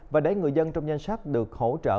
và để người dân trong danh sách được hỗ trợ